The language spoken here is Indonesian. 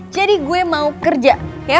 jadi gue mau kerja